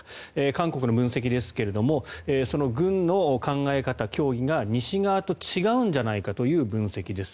韓国の分析ですがその軍の考え方、教義が西側と違うんじゃないかという分析です。